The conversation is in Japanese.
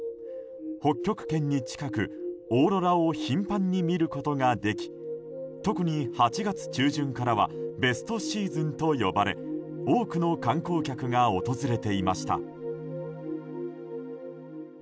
北極圏に近くオーロラを頻繁に見ることができ特に８月中旬からはベストシーズンと呼ばれ多くの観光客が訪れていました。